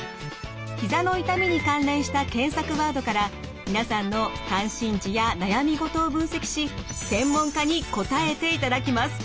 ひざの痛みに関連した検索ワードから皆さんの関心事や悩み事を分析し専門家に答えていただきます。